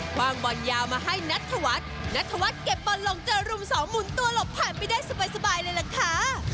ความบอลยาวมาให้นัทธวัฒน์นัทธวัฒน์เก็บบอลลงเจอรุมสองหมุนตัวหลบผ่านไปได้สบายเลยล่ะค่ะ